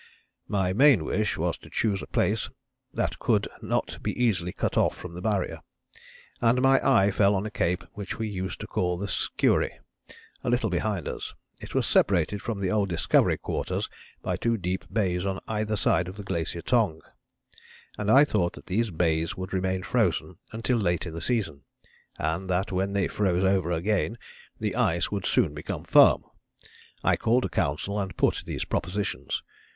My main wish was to choose a place that would not be easily cut off from the Barrier, and my eye fell on a cape which we used to call the Skuary, a little behind us. It was separated from the old Discovery quarters by two deep bays on either side of the Glacier Tongue, and I thought that these bays would remain frozen until late in the season, and that when they froze over again the ice would soon become firm. I called a council and put these propositions.